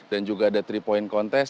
dan juga ada tiga point kontes